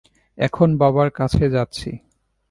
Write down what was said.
এখন বাবার কাছে যাচ্ছি।